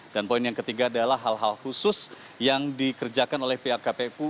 dan poin yang ketiga adalah hal hal khusus yang dikerjakan oleh pihak kpu